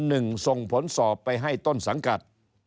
ส่งผลสอบไปให้ต้นสังกัด